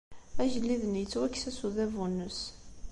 Agellid-nni yettwakkes-as udabu-nnes.